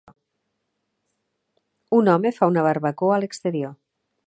Un home fa una barbacoa a l'exterior.